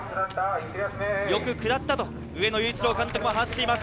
よく下ったと、上野裕一郎監督も話しています。